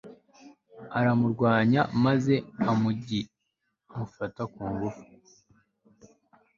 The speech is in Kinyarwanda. aramurwanya, maze umugi awufata ku ngufu